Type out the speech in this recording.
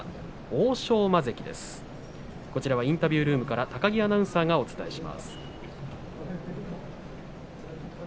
欧勝馬関インタビュールームから高木アナウンサーがお伝えします。